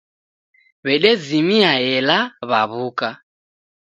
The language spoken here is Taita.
Wedezimia ela waw'uka.